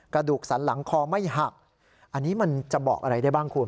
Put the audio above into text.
กระดูกสันหลังคอไม่หักอันนี้มันจะบอกอะไรได้บ้างคุณ